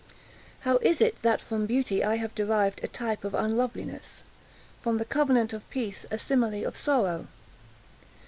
How is it that from beauty I have derived a type of unloveliness?—from the covenant of peace, a simile of sorrow?